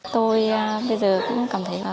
tôi bây giờ cũng cảm thấy là